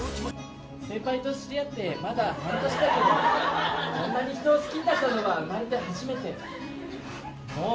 先輩と知り合ってまだ半年だけれども、こんなに人を好きになったのは初めて。